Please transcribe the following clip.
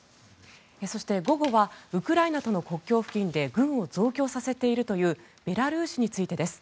そして、午後はウクライナとの国境付近で軍を増強させているというベラルーシについてです。